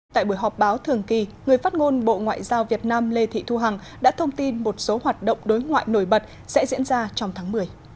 tại buổi họp báo thường kỳ người phát ngôn bộ ngoại giao việt nam lê thị thu hằng đã thông tin một số hoạt động đối ngoại nổi bật sẽ diễn ra trong tháng một mươi